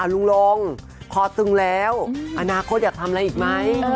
ลุงลงคอตึงแล้วอนาคตอยากทำอะไรอีกไหม